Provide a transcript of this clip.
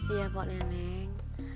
iya pak neneng